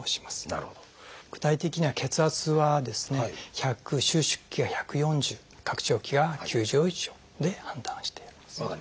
具体的には血圧は収縮期が１４０拡張期が９０以上で判断しています。